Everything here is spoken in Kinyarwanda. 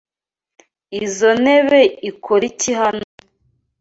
Izoi ntebe ikora iki hano?